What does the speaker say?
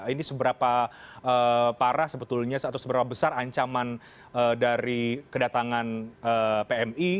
ini seberapa parah sebetulnya atau seberapa besar ancaman dari kedatangan pmi